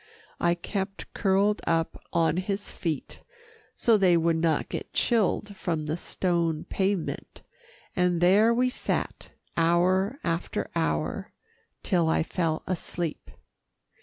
I kept curled up on his feet, so they would not get chilled from the stone pavement, and there we sat, hour after hour, till I fell asleep.